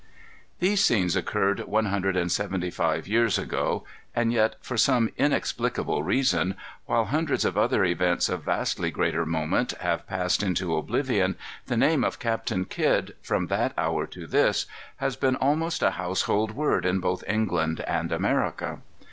These scenes occurred one hundred and seventy five years ago. And yet, for some inexplicable reason, while hundreds of other events of vastly greater moment have passed into oblivion, the name of Captain Kidd, from that hour to this, has been almost a household word in both England and America.